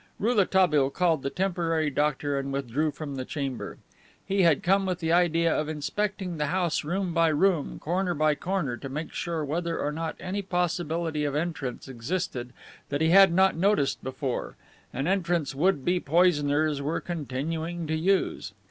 Rouletabille called the temporary doctor and withdrew from the chamber. He had come with the idea of inspecting the house room by room, corner by corner, to make sure whether or not any possibility of entrance existed that he had not noticed before, an entrance would be poisoners were continuing to use.